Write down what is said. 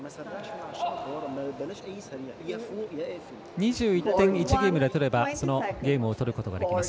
２１点、１ゲームで取ればそのゲームを取ることができます。